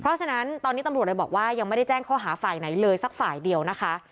เพราะฉะนั้นตอนนี้ตำรวจเลยบอกว่ายังไม่ได้แจ้งข้อหาฝ่ายไหนเลยสักฝ่ายเดียวนะคะ